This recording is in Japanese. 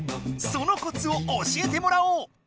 そのコツを教えてもらおう！